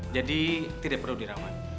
jadi tidak perlu dirawat